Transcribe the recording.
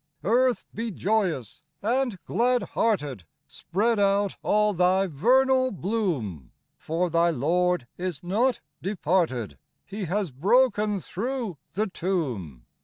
Earth, be joyous and glad hearted, Spread out all thy vernal bloom ; For thy Lord is not departed, He has broken through the tomb.